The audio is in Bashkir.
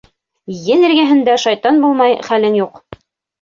Ен эргәһендә шайтан булмай, хәлең юҡ!